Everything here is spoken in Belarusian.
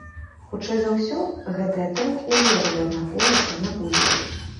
Хутчэй за ўсё, гэтая тэма ўвогуле абмяркоўвацца не будзе.